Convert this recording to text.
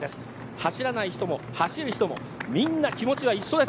走らない人も、走る人もみんな気持ちは一緒です。